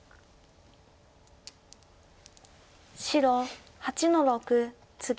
白８の六ツギ。